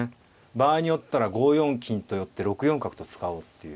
場合によったら５四金と寄って６四角と使おうっていう。